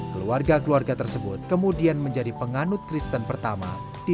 keluarga keluarga tersebut kemudian berpengalaman untuk mencari jalan kembali